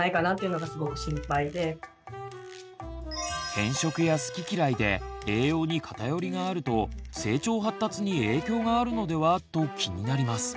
偏食や好き嫌いで栄養に偏りがあると成長発達に影響があるのでは？と気になります。